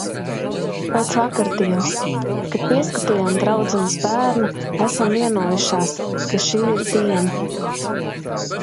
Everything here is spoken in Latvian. Pēc vakardienas. Kad pieskatījām draudzenes bērnu, esam vienojušās, ka šī ir diena.